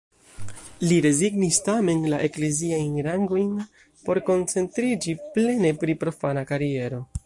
Li rezignis tamen la ekleziajn rangojn, por koncentriĝi plene pri profana kariero.